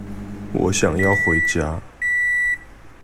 我想要回家